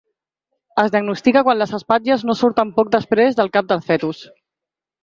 Es diagnostica quan les espatlles no surten poc després del cap del fetus.